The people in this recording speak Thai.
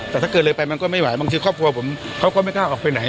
แต่ถ้าเกิดเลยไปมันก็ไม่ไหวบางทีครอบครัวผมเขาก็ไม่กล้าออกไปไหน